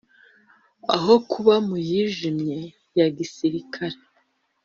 aho kuba mu yijimye ya gisirikare